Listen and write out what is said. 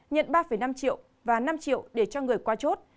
nhận ba năm triệu và năm triệu để cho người qua chốt